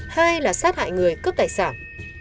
hai là sát hại người cướp tài sản